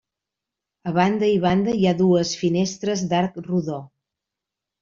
A banda i banda hi ha dues finestres d'arc rodó.